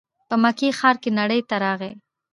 په مکې ښار کې نړۍ ته راغی.